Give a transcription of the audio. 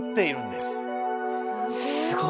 すごいね！